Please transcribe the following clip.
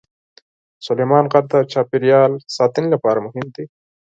سلیمان غر د چاپیریال ساتنې لپاره مهم دی.